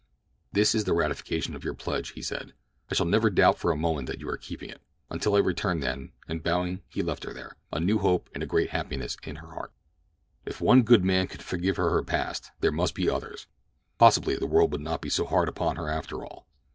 "This is the ratification of your pledge," he said. "I shall never doubt for a moment that you are keeping it. Until I return, then," and bowing he left her there, a new hope and a great happiness in her heart. If one good man could forgive her her past, there must be others. Possibly the world would not be so hard upon her after all.